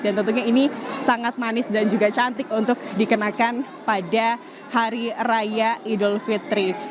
dan tentunya ini sangat manis dan juga cantik untuk dikenakan pada hari raya idul fitri